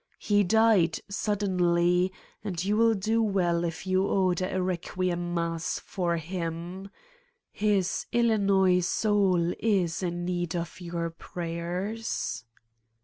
He died suddenly and you will do well if you order a requiem mass for him : his Illinois soul is in need of your prayers.